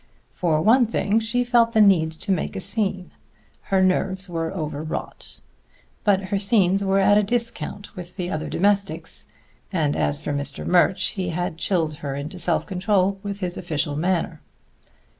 For one thing, she felt the need to make a scene; her nerves were overwrought. But her scenes were at a discount with the other domestics, and as for Mr. Murch, he had chilled her into self control with his official manner.